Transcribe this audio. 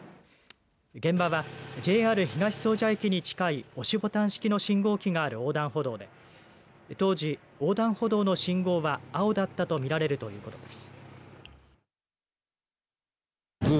現場は、ＪＲ東総社駅に近い押しボタン式の信号機がある横断歩道で当時、横断歩道の信号は青だったとみられるということです。